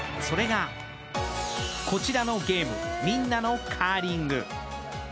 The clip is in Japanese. それが、こちらのゲーム「みんなのカーリング」。